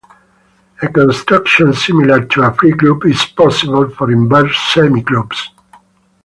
A construction similar to a free group is possible for inverse semigroups.